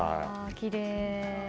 きれい！